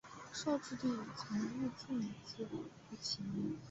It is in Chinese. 绍治帝曾御赐米字部起名。